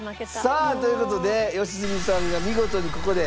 さあという事で良純さんが見事にここでクリア致しました。